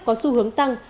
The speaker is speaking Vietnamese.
có xu hướng tăng